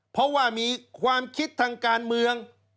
เพราะว่ามีความคิดทางการเมือง